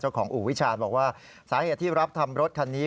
ของอู่วิชาบอกว่าสาเหตุที่รับทำรถคันนี้